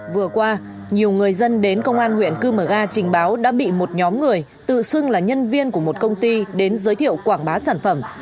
vừa qua nhiều người dân đến công an huyện cư mờ ga trình báo đã bị một nhóm người tự xưng là nhân viên của một công ty đến giới thiệu quảng bá sản phẩm